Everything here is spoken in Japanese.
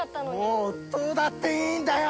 もうどうだっていいんだよ！